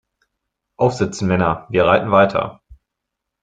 Aufsitzen, Männer! Wir reiten weiter.